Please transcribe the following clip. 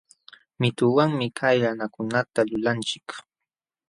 Mituwanmi kallanakunata lulanchik